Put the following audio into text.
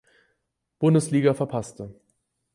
Bundesliga verpasste.